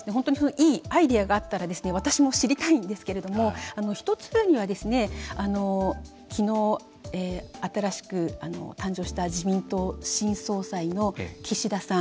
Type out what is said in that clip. いいアイデアがあったら私も知りたいんですけれども１つ目にはきのう、新しく誕生した自民党新総裁の岸田さん。